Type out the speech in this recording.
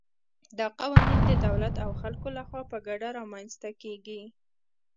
دا قوانین د دولت او خلکو له خوا په ګډه رامنځته کېږي.